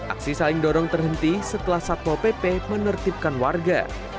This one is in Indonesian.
aksi saling dorong terhenti setelah satpol pp menertibkan warga